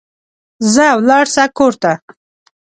ځه ولاړ سه کور ته